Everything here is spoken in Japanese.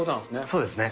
そうですね。